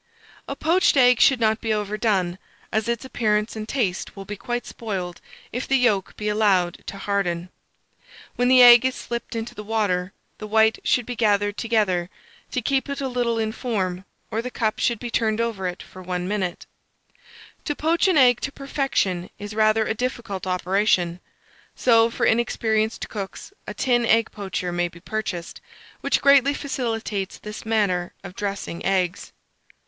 A poached egg should not be overdone, as its appearance and taste will be quite spoiled if the yolk be allowed to harden. When the egg is slipped into the water, the white should be gathered together, to keep it a little in form, or the cup should be turned over it for 1 minute. To poach an egg to perfection is rather a difficult operation; so, for inexperienced cooks, a tin egg poacher may be purchased, which greatly facilitates this manner of dressing ecgs.